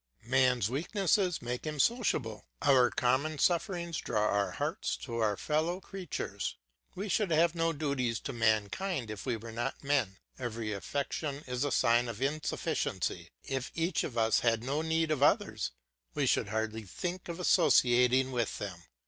Man's weakness makes him sociable. Our common sufferings draw our hearts to our fellow creatures; we should have no duties to mankind if we were not men. Every affection is a sign of insufficiency; if each of us had no need of others, we should hardly think of associating with them.